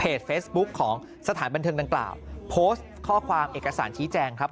เฟซบุ๊คของสถานบันเทิงดังกล่าวโพสต์ข้อความเอกสารชี้แจงครับ